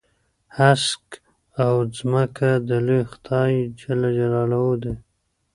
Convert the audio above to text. هسک او ځمکه د لوی خدای جل جلاله دي.